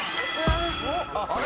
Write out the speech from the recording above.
あれ？